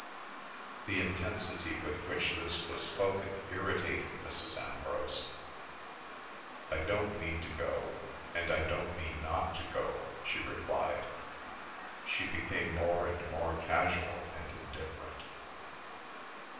The intensity with which this was spoken irritated Mrs. Ambrose. "I don't mean to go, and I don't mean not to go," she replied. She became more and more casual and indifferent.